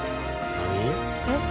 何？